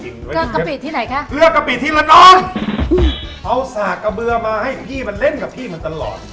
เกลือกะปิที่ไหนคะเกลือกะปิที่ระนองเอาสากกระเบือมาให้พี่มันเล่นกับพี่มันตลอด